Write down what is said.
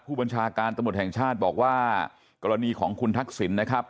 ผู้บัญชาการตำรวจแห่งชาติบอกว่ากรณีของคุณทักษิณนะครับ